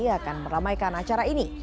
akan meramaikan acara ini